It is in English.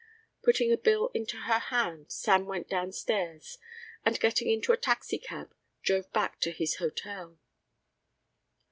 Putting a bill into her hand Sam went downstairs and getting into a taxicab drove back to his hotel.